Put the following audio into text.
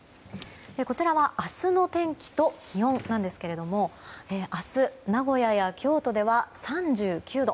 こちらは明日の天気と気温なんですけれども明日、名古屋や京都では３９度。